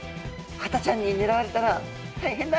ハタちゃんにねらわれたら大変だ。